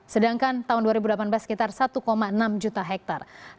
sedangkan tahun dua ribu delapan belas sekitar satu enam juta hektare